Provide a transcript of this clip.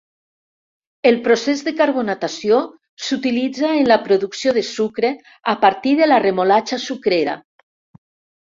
El procés de carbonatació s'utilitza en la producció de sucre a partir de la remolatxa sucrera.